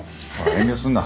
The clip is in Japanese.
遠慮すんな。